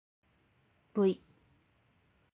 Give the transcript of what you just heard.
ｖ